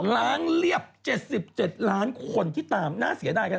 ล้างเรียบ๗๗ล้านคนที่ตามน่าเสียดายกัน